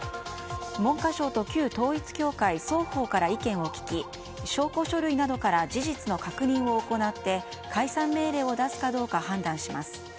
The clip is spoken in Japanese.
文科省と旧統一教会双方から意見を聞き証拠書類などから事実の確認を行って解散命令を出すかどうか判断します。